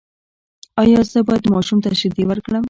ایا زه باید ماشوم ته شیدې ورکړم؟